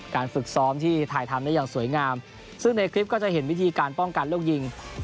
ฝึกซ้อมที่ถ่ายทำได้อย่างสวยงามซึ่งในคลิปก็จะเห็นวิธีการป้องกันลูกยิง